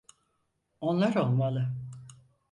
Onlar olmalı.